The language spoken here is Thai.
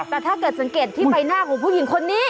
แต่ถ้าเกิดสังเกตที่ใบหน้าของผู้หญิงคนนี้